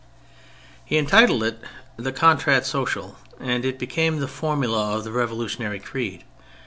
He entitled it the Contrat Social, and it became the formula of the Revolutionary Creed.